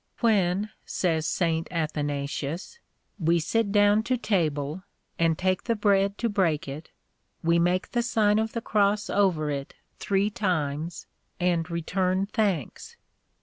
"When," says St. Athanasius, "we sit down to table, and take the bread to break it, we make the Sign of the Cross over it three times, and return thanks.